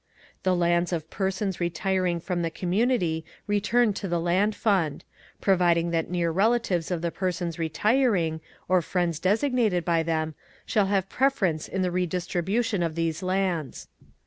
The lands of persons retiring from the community return to the Land Fund; providing that near relatives of the persons retiring, or friends designated by them, shall have preference in the redistribution of these lands.